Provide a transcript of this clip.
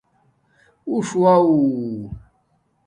اݸݽ واہ